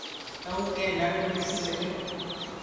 تئوٚ ڪي نرگ ملسيٚ۔ پڇي